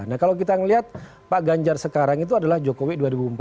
nah kalau kita melihat pak ganjar sekarang itu adalah jokowi dua ribu empat belas